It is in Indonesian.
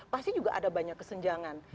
pasti juga ada banyak kesenjangan